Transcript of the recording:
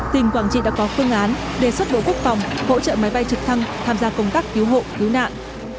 tỉnh quảng trị đã có phương án đề xuất bộ quốc phòng hỗ trợ máy bay trực thăng tham gia công tác cứu hộ cứu nạn